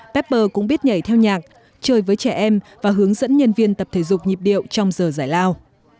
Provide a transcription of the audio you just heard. pepper cũng biết nhảy theo nhạc chơi với trẻ em và hướng dẫn nhân viên tập thể dục nhịp điệu trong giờ giải lao